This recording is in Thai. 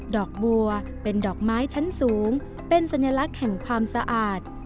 ดอกบัวเป็นดอกไม้ชั้นสูงเป็นสัญลักษณ์แห่งความสะอาด